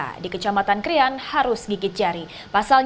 pemerintah yang menanggung angin puting beliung di desa terenggalek